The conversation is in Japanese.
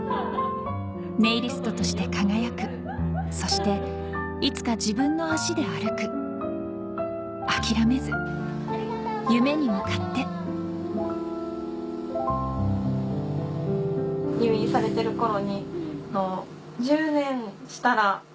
ネイリストとして輝くそしていつか自分の足で歩く諦めず夢に向かって入院されてる頃に。